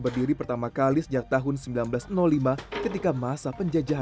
jatiwangi masih terkenal